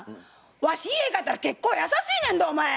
わし家帰ったら結構優しいねんどお前。